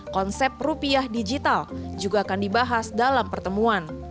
konsep rupiah digital juga akan dibahas dalam pertemuan